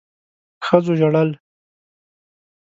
ښځو ژړل.